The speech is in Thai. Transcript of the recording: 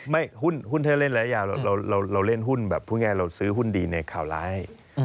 หุ้นถ้าเล่นระยะยาวเราเล่นหุ้นแบบพูดง่ายเราซื้อหุ้นดีในข่าวร้าย